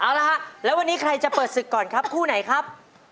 เอาละฮะแล้ววันนี้ใครจะเปิดศึกก่อนครับคู่ไหนครับ